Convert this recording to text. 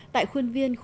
tại khuôn viên khu thư